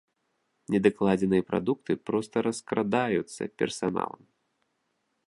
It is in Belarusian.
Недакладзеныя прадукты проста раскрадаюцца персаналам.